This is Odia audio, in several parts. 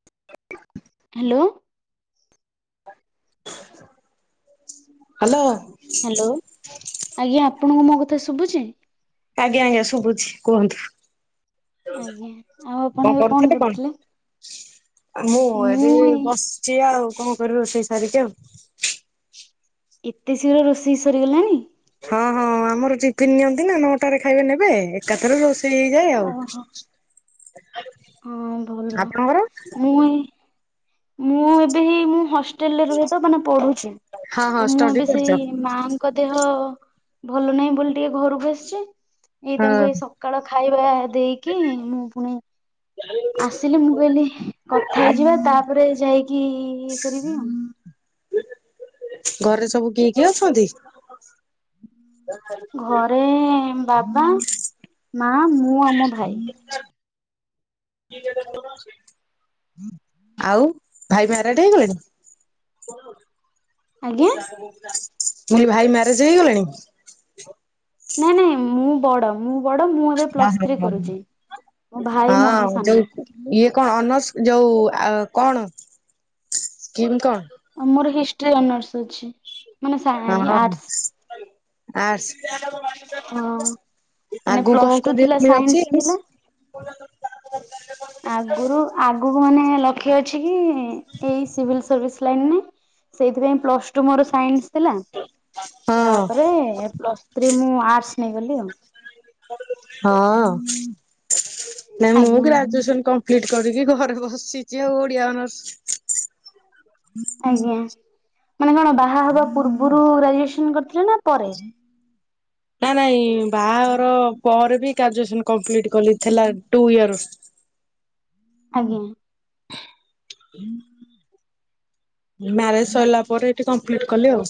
[inaudible] ହ୍ୟାଲୋ। ହ୍ୟାଲୋ। ହ୍ୟାଲୋ ଆଜ୍ଞା ଆପଣଙ୍କୁ ମୋ କଥା ଶୁଭୁଛି? ଆଜ୍ଞା ଆଜ୍ଞା ଶୁଭୁଛି କୁହନ୍ତୁ। ଆଜ୍ଞା ଆଉ ଆପଣ କଣ ଏବେ କରୁଥିଲେ କଣ? ମୁଁ ଏଠି ବସିଛି ଆଉ କଣ କରିବି ରୋଷେଇ ସାରିକି ଆଉ। ଏତେ ଶୀଘ୍ର ରୋଷେଇ ସରିଗଲାଣି? ହଁ ହଁ ଆମର [unintelligible] ଟିଫିନ୍ ନିଅନ୍ତି ନା ନଅଟାରେ ଖାଇବେ ନେବେ ଏକାଥରେ ରୋଷେଇ ହେଇଯାଏ ଆଉ। ଓହୋ ହଁ ଭଲ ଆପଣଙ୍କର? ମୁଁ ମୁଁ ଏବେ ହିଁ ମୁଁ ହଷ୍ଟେ ହଷ୍ଟେଲ ରେ ରୁହେତ ମାନେ ପଢୁଛି ହଁ ହଁ ତ ମୁଁ ଷ୍ଟଡି ଏବେ କରୁଛ ସେଇ ମା ଙ୍କ ଦେହ ଭଲ ନାହିଁ ବୋଲି ଟିକେ ଘରକୁ ଆସିଛି ଏଇ ହଁ ତାଙ୍କୁ ଏଇ ସକାଳ ଖାଇବା ଦେଇକି ମୁଁ ଫୁଣି ଆସିଲି ମୁଁ କହିଲି କଥା ହେଇଯିବା ତାପରେ ଯାଇକି ଇଏ କରିବି ଆଉ‌। ଘରେ ସବୁ କିଏ କିଏ ଅଛନ୍ତି? ଘରେ ବାବା, ମା, ମୁଁ ଆଉ ମୋ ଭାଇ। ଆଉ ଭାଇ ମ୍ୟାରେଡ଼ ହେଇଗଲେଣି? ମୁଁ ଆଜ୍ଞା କହିଲି ଭାଇ ମ୍ୟାରେଜ୍ ହେଇଗଲେଣି? ନାଇଁ ନାଇଁ ମୁଁ ବଡ଼ ମୁଁ ବଡ ମୁଁ ଏବେ ଅ ହ ପ୍ଲସ୍ ଥ୍ରୀ ହ କରୁଛି ମୋ ଭାଇ ମୋଠୁ ହଁ ଯୋଉ ସାନ ଇଏ କଣ ଅନ [unintelligible] ଯୋଉ ଆଉ କଣ ସ୍କିମ୍ କଣ? ମୋର ହିଷ୍ଟ୍ରି ଅନର୍ସ ଅଛି ମାନେ ସାଇ ଆର୍ଟ୍ସ୍। ଆର୍ଟସ୍। ହଁ। ମାନେ ଆଗକୁ କଣ ପ୍ଲସ୍ ଟୁ କରିବେ ଥିଲା ବୋଲି ସାଇନ୍ସ ଅଛି? ଥିଲା। ଆଗରୁ ଆଗକୁ ମାନେ ଲକ୍ଷ୍ୟ ଅଛି କି ଏଇ ସିଭିଲ୍ ସର୍ଭିସ ଲାଇନ୍ ରେ। ସେଇଥିପାଇଁ ପ୍ଲସ୍ ଟୁ ମୋର ସାଇନ୍ସ ଥିଲା ହଁ ତାପରେ ପ୍ଲସ୍ ଥ୍ରୀ ମୁଁ ଆର୍ଟସ୍ ନେଇଗଲି ଆଉ। ହଁ। ନାଇଁ ମୁଁ ଆଜ୍ଞା ଗ୍ରାଜୁଏସନ କମ୍ପ୍ଲିଟ୍ କରିକି ଘରେ ବସିଛି ଆଉ ଓଡିଆ ଅନର୍ସ। ଆଜ୍ଞା। ମାନେ କଣ ବାହା ହବା ପୂର୍ବରୁ ଗ୍ରାଜୁଏସନ କରିଥିଲେ ନା ପରେ? ନା ନାଇ ବାହାର ପରେ ବି ଗ୍ରାଜୁଏସନ କମ୍ପ୍ଲିଟ୍ କଲି ଥିଲା ଟୁ ଇୟର୍। ଆଜ୍ଞା। ମ୍ୟାରେଜ୍ ସରିଲା ପରେ ଏଠି କମ୍ପ୍ଲିଟ୍ କଲି ଆଉ।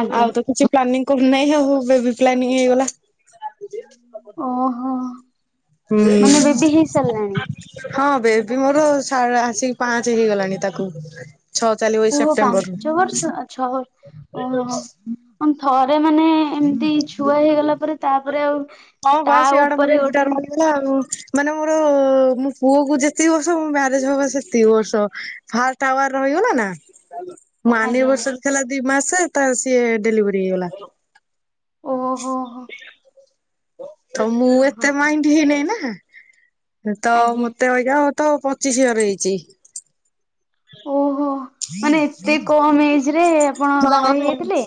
ଆଜ୍ଞା ଆଉ ତ କିଛି ପ୍ଲାନିଂ କର ନାଇଁ ହଉ ହଉ ବେ ବି- ପ୍ଲାନିଙ୍ଗ ହେଇଗଲା। ଓହୋ। ହୁଁ, ମାନେ ବେବି ହେଇ ସାରିଲାଣି ହଁ ବେବି ମୋର ତାର ଆସିକି ପାଞ୍ଚ ହେଇଗଲାଣି ତାକୁ। ଛଅ ଚାଲିବ ଏଇ ଓହୋ! ସେପ୍ଟେମ୍ବର ପାଞ୍ଚ ବର୍ଷ ଆ, ଛଅ ଓ ହଁ, ହଁ ଅ, ଥରେ ମାନେ ଏମତି ଛୁଆ ହେଇଗଲା ପରେ ତାପରେ ଆଉ ହଁ ବା ତା ସିଆଡେ ମୋ ଉପରେ ଏଇଟା ଗୋଟେ ରହିଗଲା ଆଉ ମାନେ ମୋର ମୋ ପୁଅ କୁ ଯେତିକି ବର୍ଷ ମୋ ମ୍ୟାରେଜ୍ ହବା ସେତିକି ବର୍ଷ। ଫାଷ୍ଟ ଆୱାର ରହି [unintelligible] ନା ମୋ ଆଜ୍ଞା ଆନିବର୍ଷରି ଥିଲା ଦି ମାସ ତ ସିଏ ଡେଲିଭରି ହେଇଗଲା। ଓହୋ ହୋ ତ ମୁଁ ହଁ ଏତେ ମାଇଣ୍ଡ ହେଇନାହିଁ ନା। ତ ଆଜ୍ଞା ମୋତେ ଅବିକା ତ ପଚିଶି ଇୟର୍ ହେଇଛି। ଓହୋ ମାନେ ହଁ, ଏତେ କମ ଏଜ ରେ ଆପଣ ବାହା ହଁ, ହେଇଯାଇଥିଲେ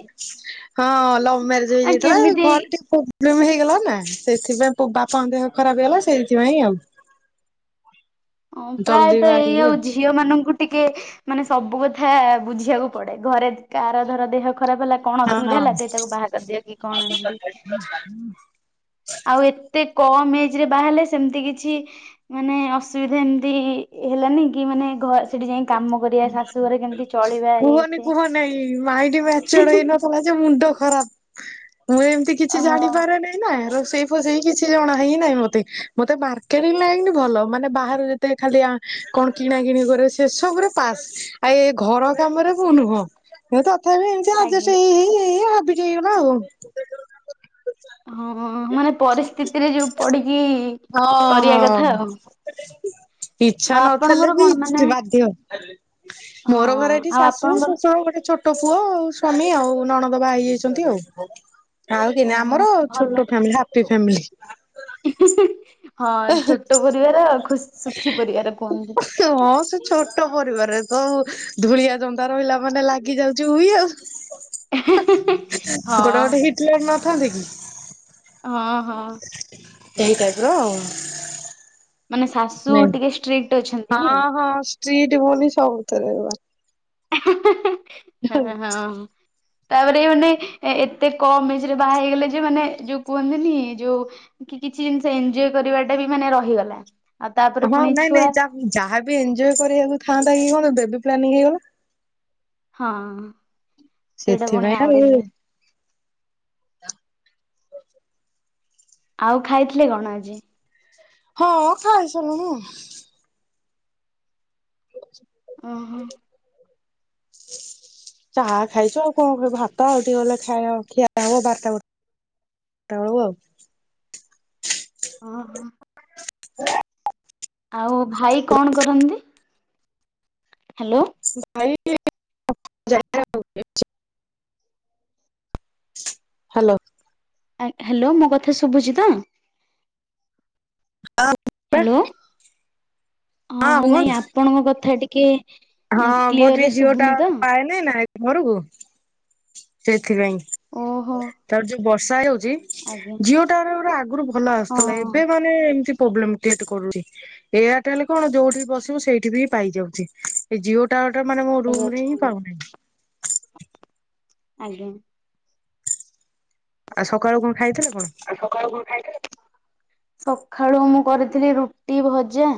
ହଁ ଲଭ୍ ମେରେ ଜ ଆ ହେଇଯାଇଥିଲା। କେମିତି ଘରେ ଟିକେ ପ୍ରବ [unintelligible] ହେଇଗଲା ନା ସେଥିପାଇଁ ତ ବାପାଙ୍କ ଦେହ ଖରାପ ହେଇଗଲା ସେଇଥିପାଇଁ ଆଉ। ଅଁ, ଜଲଦି ପ୍ରାୟତ ବାହା ଏଇ ହେଇଗଲି ଆଉ ଝିଅ ମାନଙ୍କୁ ଟିକେ ମାନେ ସବୁ କଥା ବୁଝିବାକୁ ପଡେ। ଘରେ କାର ଧର ଦେହ ଖ ଖରାପ ହେଲା କଣ ଆଉ ଅସୁବିଧା ହଁ ହେଲା ଦେ ତାକୁ ବାହା କରିଦିଅ କି କଣ ଏମତି। ଆଉ ଏତେ କମ ଏଜ୍ ରେ ବାହାରିଲେ ସେମିତି କିଛି ମାନେ ଅସୁବିଧା ଏମିତି ହେଲାନି କି ମାନେ ଘ ସେଠି ଯାଇ କାମ କରିବା ଶାଶୁ ଘରେ କେମିତି ଚଳିବା ଇଏ କୁହନି ସିଏ କୁହନାଇ ମାଇଡି ମେଚଡ୍ ହେଇନଥିଲା ଯେ। ମୁଣ୍ଡ ଖରାପ ମୁଁ ଏମତି କିଛି ଓହୋ ଜାଣିପାରେ ନାଇନା ରୋ ସେଇ ଫ-ସେଇ କିଛି ଜଣା ହିଁ ନାହିଁ ମୋତେ। ମୋତେ ମାର୍କେଟ୍ ଲାଇନ୍ ଭଲ। ମାନେ ବାହାରୁ ଯେତେ ଖାଲି ଆ କଣ କିଣା କିିଣି କରେ ସେ ସବୁରେ ପାସ୍। ଆ, ଏ ଘର କାମରେ ମୁଁ ନୁହଁ। ଏ ତ ତଥାପି ଏମତି ଆଜ୍ଞା ଆର୍ଜେଷ୍ଟ ହେଇ ହେଇ ଏ ହାବିଟ୍ ହେଇଗଲା ଆଉ। ହଁ ମାନେ ପରିସ୍ଥିତିରେ ଯୋଉ ପଡିକି ହଁ କରିବା ହଁ କଥା ଆଉ। ଇଚ୍ଛା ଆଉ ନଥିଲେ ଆପଣଙ୍କର ବି କଣ ମାନେ ଯ, ହଁ ମୋର ଘରେ ଏଠି ଆଉ ଶାଶୁ ଆପଣଙ୍କର ଶଶୁର ଗୋଟେ ଛୋ ଟ ପୁଅ ଆଉ ସ୍ଵାମୀ ଆଉ ନଣନ୍ଦ ବାହା ହେଇଯାଇଛନ୍ତି ଆଉ। ଆଉ କେଇ ନାଇ ଓହୋ ଆମର ଭଲ ଛୋଟ ଫେମିଲି ହାପି ଫେମିଲି। ହଁ ଛୋଟ ପରିବାର ଖୁସ ସୁଖୀ ପରିବାର କୁହନ୍ତି। ହଁ ସେ ଛୋଟ ପରିବାରରେ ତ ଧୂଳିଆ ଜନ୍ଦା ରହିଲା ମାନେ ଲାଗି ଯାଉଚି ଉଇ ଆଉ। ହଁ ଗୋଟେ ଗୋଟେ ହିଟଲର୍ ନଥାନ୍ତି କି? ହଁ ହଁ। ସେଇ ଟାଇପ୍ ର ଆଉ। ମାନେ ଶାଶୁ ନାଇଁ। ଟିକେ ଷ୍ଟ୍ରିକ୍ଟ। ଅଛନ୍ତି କି? ହଁ ହଁ ଷ୍ଟ୍ରିଟ ବୋଲି ସବୁଥେରେ ଆ ଆ ହା ହା ହା ହେଁ ହଁ। ତାପରେ ମାନେ ଏତେ କମ୍ ଏଜ୍ ରେ ବାହା ହେଇଗଲେ ଯେ ମାନେ ଯୋଉ କୁହନ୍ତିନି ଯୋଉ କି କିଛି ଜିନିଷ ଏଞ୍ଜୟ୍ କରିବା ଟା ବି ମାନେ ରହିଗଲା। ଆଉ ତାପରେ ହଁ ପୁଣି ନାଇଁ ନାଇଁ ଛୁଆ ଯା ଯାହାବି ଏଞ୍ଜୟ୍ କରିବାକୁ ଥାନ୍ତା କି କଣ ବେବି ପ୍ଲାନିଂ ହେଇଗଲା। ହଁ ସେଇଟା ପୁଣି ସେଥିପାଇଁ ଆଉରି ଆଉ। ନୁଏ। ଆଉ ଖାଇଥିଲେ କଣ ଆଜି? ହଁ ଖାଇସାରଲିଣି। [unintelligible] ଓ ହଁ। ଚାହା ଖାଇଚୁ ଆଉ କଣ କରବୁ ଭାତ ଆଉ ଟିକେ ଗଲେ ଖାୟା ଖିଆ ହବ ବାରଟା ବେଳକୁ। ତଳୁ ଆଉ। ହ ହ। [inaudible] ଆଉ ଭାଇ କଣ କରନ୍ତି? ହ୍ୟାଲୋ। [inaudible] ହାଲୋ। ଆଗ୍ ହ୍ୟାଲୋ ମୋ କଥା ଶୁଭୁଚି ତ? ହେଲୋ ହଁ ହଁ ନାଇଁ ଆପଣଙ୍କ କଥା ଟିକେ ହଁ ମୋର ଟିକେ କ୍ଲିଅରରେ ଜିଓ ଶୁଭୁନି ତ ଟାୱାର ପାଏ ନାଇଁ ନା ଏତ୍ ଘରୁକୁ ସେଥିପାଇଁ ଓହୋ ତାପରେ ଯୋଉ ବର୍ଷା ହେଉ ଚି ଆଜ୍ଞା ଜିଓ ଟାୱାର ପୁରା ଆଗୁରୁ ଭଲ ଆସୁଥିଲା ହଁ ଏବେ ମାନେ ଏମତି ପୋବ୍ଲେମ କ୍ରିଏଟ କରୁଚି। ଏଆରଟେଲ କଣ ଯୋଉଠି ବସିବୁ ସେଇଠି ବି ପାଇଯାଉଛି। ଏ ଜିଓ ଟାୱାର ଟା ମାନେ ମୋ ରୁମ୍ ଏବେ ରେ ହିଁ ଅଛି ପାଉନାହିଁ। ଆଜ୍ଞା। ଆଜି ସକାଳୁ କଣ ଖାଇଥିଲେ? କଣ ଆଜି ସକାଳୁ କଣ ଖାଇଥିଲେ? ସଖାଳୁଆ ମୁଁ କରିଥିଲି ରୁଟି ଭଜା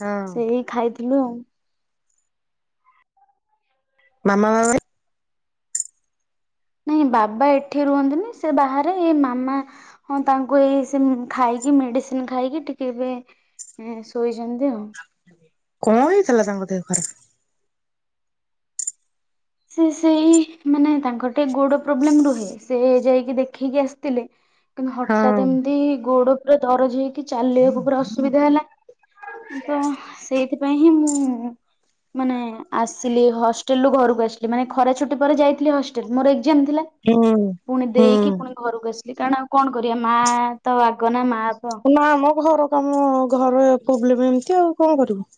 ହଁ ସେଇ ଖାଇଥି ଥିଲୁ ଆଉ ମାମା ବାବା ନାଇଁ ବାବା ଏଠି ରୁହନ୍ତିନି ସେ ବାହାରେ ଏ ମାମା ହଁ ତାଙ୍କୁ ଏଇ ସିମ୍ ଖାଇ ଇଏ ମେଡିସିନ ଖାଇକି ଟିକେ ଏବେ ଏଁ ଶୋଇଛନ୍ତି ଆଉ। କଣ ହେଇଥିଲା ତାଙ୍କ ଦେହ ଖରାପ। ସେ ସେଇ ମାନେ ତାଙ୍କର ଟେ ଗୋଡ ପ୍ରୋବ୍ଲେମ ରୁହେ। ସେ ଯାଇକି ଦେଖେଇକି ଆସିଥିଲେ। କିନ୍ତୁ ହଟାତ୍ ହଁ ଏମିତି ଗୋଡ ପୁରା ଦରଜ ହେଇକି ଚାଲିବାକୁ ପୁରା ଅସୁବିଧା ହେଲା। ତ ସେଇଥିପାଇଁ ହିଁ ମୁଁ ହୁଁ ମାନେ ଆସିଲି ହଷ୍ଟେଲ ରୁ ଘରକୁ ଆସିଲି ମାନେ ଖରା ଛୁଟି ପରେ ଯାଇ ଥିଲି ହଷ୍ଟେଲ ମର ଏକଜାମ୍ ଥିଲା ହୁଁ ପୁଣି ଦେଇକି ପୁଣି ହୁଁ ଘରୁକୁ ଆସି ଲି କାଣ ଆଉ କଣ କରିବା ମା ଆ ତ ଆଗ ନା ମା। ତ ନା ଆମ ଘର କାମ ଘରେ ପୋବ୍ଲେମ ଏମିତି ଆଉ କଣ କରିବୁ।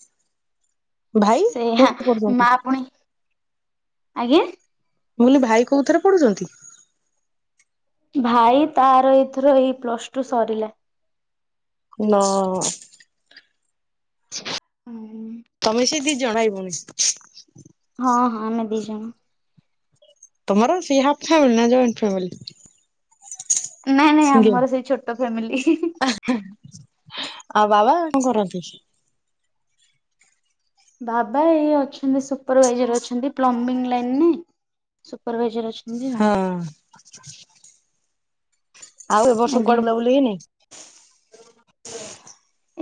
ଭାଇ ସେଇଆ କୋଉଠି ମା ପଢୁଚନ୍ତି? ପୁଣି ଆଜ୍ଞା। ମୁଁ କହିଲି ଭାଇ କୋଉଥରେ ପଢୁଚନ୍ତି। ଭାଇ ତାର ଏଥର ଏଇ ପ୍ଲସ ଟୁ ସରିଲା। ନା ତମେ ସେଇ ଦିଦ୍ ଜଣାଇବୁନି। ହଁ ହଁ ଆମେ ଦି ଜଣ। ତମର ସେ ହାଫ ଫାମିଲି ନା ଜଏଣ୍ଟ ଫାମିଲି? ନାଇଁ ନାଇଁ ଆମର ସେଇ ଛୋଟ ଫ୍ୟାମିଲି। ଆଉ ବାବା କଣ କରନ୍ତି? ବାବା ଏଇ ଅଛନ୍ତି ସୁପରଭାଇଜର ଅଛନ୍ତି ପ୍ଲମିନି ଲାଇନ ନାଇଁ ସୁପରଭାଇଜର ଅଛ ହଁ। ଆଉ ଏ ବର୍ଷ ଆଜ୍ଞା କୁଆଡେ ବୁଲା ବୁଲି ହେଇନି?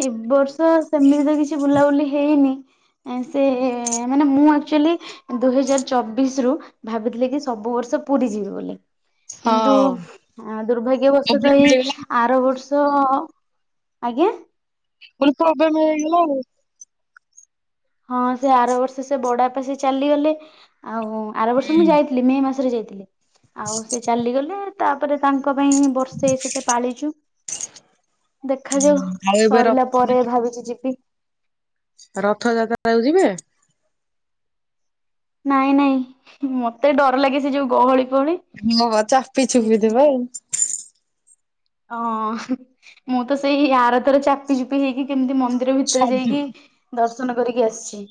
ଏ ବର୍ଷ ସେମିତି ତ କିଛି ବୁଲାବୁଲି ହେଇନି ଏ ସେ ମାନେ ମୁଁ ଆକଚୁଲି ଦୁଇ ହଜାର ଚବିଶ ରୁ ଭାବିଥିଲି କି ସବୁ ବର୍ଷ ପୁରୀ ଯିବି ବୋଲି। କିନ୍ତୁ ହଁ ଦୁର୍ଭାଗ୍ୟବଷତ ପ୍ରୋବ୍ଲେମ ଏଇ ହେଇଗଲା ମୁଁ ଆର କହିଲି ବର୍ଷ ଆଜ୍ଞା। କହିଲି ପ୍ରୋବ୍ଲେମ ହେଇଗଲା ଆଉ। ହଁ ସେ ଆର ବର୍ଷ ସେ ବଡ ବାପା ସେ ଚାଲିଗଲେ। ଆଉ ଆର ବର୍ଷ ମୁଁ ଯାଇଥିଲି ମେ ମାସରେ ଯାଇଥିଲି ଆଉ ସେ ଚାଲିଗଲେ ତାପରେ ତାଙ୍କ ଙ୍କ ପାଇଁ ବର୍ଷେ ସେତେ ପାଳିଛୁ। ଦେଖାଯାଉ ଆଉ ଏବେ ର ସରିଲା ପରେ ଭାବିଚି ଯିବି। ରଥଯାତ୍ରାକୁ ଯିବେ? ନାଇଁ ନାଇଁ ମତେ ଡର ଲାଗେ ସେ ଯୋଉ ଗହଳି। ଫହଳି ହଁ ଚାପି ଚୁପି ସେଇଥିପାଇଁ ଦେବେ ଆଉ। ହଁ ହୁଁ ଉ ମୁଁ ତ ସେଇ ଆରଥର ଚାପି ଚୁପି ହେଇକି କେମିତି ମ ମନ୍ଦିର ଭିତରେ ସବୁ ଯାଇକି ଦର୍ଶନ କରିକି ଆସିଛି।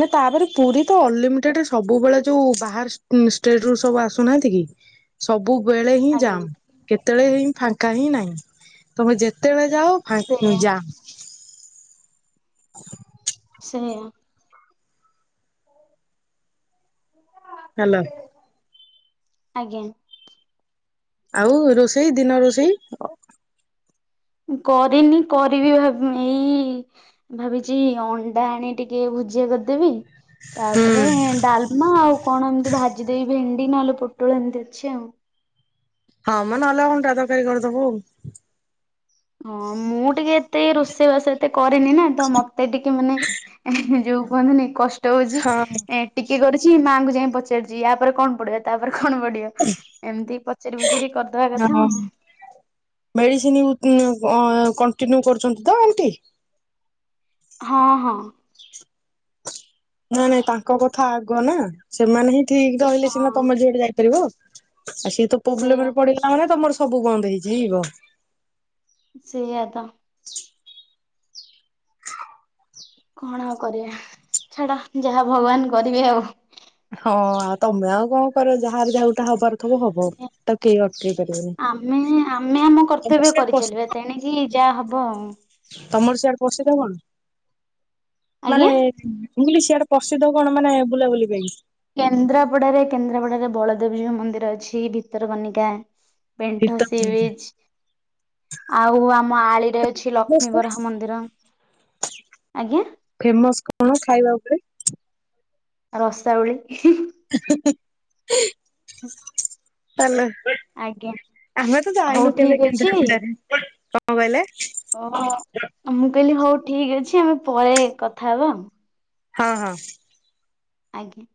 ମ ତାପରେ ପୁରୀ ତ ଅନଲିମିଟେଡ ସବୁବେଳେ ଯୋଉ ବାହାର ଷ୍ଟେଟ ରୁ ସବୁ ଆସୁନାହାନ୍ତି କି। ସବୁବେଳେ ହିଁ ଆଜ୍ଞା ଯାମ କେତେବେଳେ ହିଁ ଫାଙ୍କା ହିଁ ନାହିଁ ତମେ ଯେତେ ଜେତେବେଳେ ଯାଉ ଫା ସେଇଆ ଜାମ ସେଇଆ। ହେଲା ଆଜ୍ଞା। ଆଉ ରୋଷେଇ ଦିନରୋଷେଇ କରିନି କରିବି ଭାବି ଏଇ ଭାବିଚି ଅଣ୍ଡା ଆଣି ଟିକେ ଭୁଜିଆ କରିଦେବି ତାପରେ ହୁଁ। ଡାଲମା ଆଉ କଣ ଏମିତି ଭା ଜିଦେବି ଭେଣ୍ଡିନହେଲେ ପୋଟଳ ଏମିତିଅଛି ଆଉ ହଁମ ନହେଲେ ଅଣ୍ଡା ତରକାରି କରିଦେବୁ ହଁ ମୁଁ ଟିକେ ଏତେ ରୋଷେଇବାସ ଏତେ କରେନିନା ତ ମତେ ଟିକେ ମାନେ ଯୋଉ କହନ୍ତିନି କଷ୍ଟ ହଉଛି ହଁ ଏ ଟିକେ କରୁଛି ମାଆଙ୍କୁ ଯାଇ ପଚାରୁଛି ୟାପରେ କଣ ପଡିବ ତାପରେ କଣ ପଡିବ ଏମିତି ପଚାରି ପୁଚାରି କରିଦବା କଥା ହଁ ଅ କଣ୍ଟିନୁ କରୁଛନ୍ତିତ ଆଣ୍ଟି ହଁ-ହଁ, ନାଇଁ ନାଇଁ ତାଙ୍କ କଥା ଆଗନା ସେମାନେହିଁ ଠିକ ରହିଲେ ସିନା ହଁ। ତମେ ଜୁଆଡେ ଯାଇପାରିବ। ଆଉ ସିଏତ ସେଇଆ ପ୍ରୋବ୍ଲେମରେ ପଡିଲାମାନେ ତମର ସବୁ ବନ୍ଦ ହେଇଯିଇବ। ସେଇଆତ କଣ ଆଉ କରିବା ଛାଡ ଯାହା ଭଗବାନ କରିବେ ଆଉ ହଁ ଆଉ ତମେ ଆଉ କଣ କରିବ ଯାହାର ଯଉଟା ହବାର ଥିବ ହବ ତାକୁ କେହି ଅଟକେଇ ପାରିବେନି। ଆମେ ଆମେ ଆମ ତମର କର୍ତ୍ତବ୍ୟ ସିଆଡେ ପ୍ରସି କରିଚାଲିବା ତେଣିକିି ଯା ଯା ହବ ଆଉ ତମର ସିଆଡେ ପସିଧ କଣ ମାନେ? ଆଜ୍ଞା ମୁଁ କହିଲି ସିଆଡେ ପ୍ରସିଦ୍ଧ କଣ ମାନେ ବୁଲାବୁଲି ପାଇଁ କେନ୍ଦ୍ରାପଡାରେ କେନ୍ଦ୍ରାପଡାରେ ବଳଦେବଜିଉ ମନ୍ଦିର ଅଛି, ଭିତରକନିକା ପେଣ୍ଠ ସି ବିଚ୍ ଆଉ ଆମ ଆଳିରେ ଅଛି ଲକ୍ଷ୍ମୀ ବରାହ ମନ୍ଦିର, ଆଜ୍ଞା। ଫେମସ କଣ ଖାଇବା ଉପରେ? ଆଉ ରସାବଳି [unintelligible] ହୁଁ। ତାହେଲେ ଆମେ ତ ହଉ ଯାଇନୁ କେବେ ଠିକ କେନ୍ଦ୍ରାପଡ଼ା ରେ କଣ କହିଲେ? ଓହୋ ମୁଁ କହିଲି ହଉ ଠିକ ଅଛି ଆମେ ପରେ କଥା ହବା ଆଉ। ହଁ- ହଁ। ଆଜ୍ଞା।